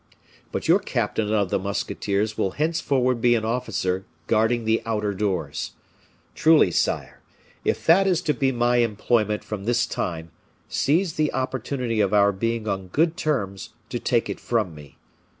But your captain of the musketeers will henceforward be an officer guarding the outer doors. Truly, sire, if that is to be my employment from this time, seize the opportunity of our being on good terms, to take it from me.